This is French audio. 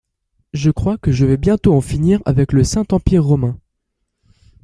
Je crois que je vais bientôt en finir avec le Saint Empire Romain.